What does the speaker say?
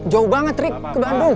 jauh banget trik ke bandung